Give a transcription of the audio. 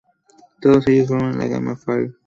Todos ellos forman la gama Fire.